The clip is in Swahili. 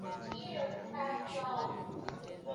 Maua yanapendeza.